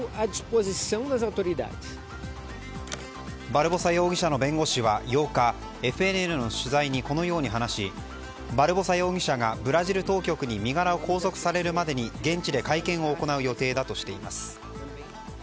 バルボサ容疑者の弁護士は８日ＦＮＮの取材に、このように話しバルボサ容疑者がブラジル当局に身柄を拘束されるまでに現地で会見を行う予定だとしています。